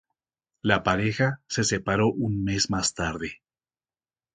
La pareja se separó un mes más tarde.